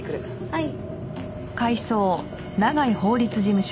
はい。